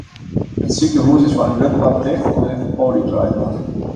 It sikehûs is foar in grut part ticht, allinnich de poly draait noch.